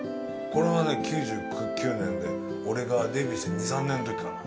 これはね、９９年で俺がデビューして２３年のときかな。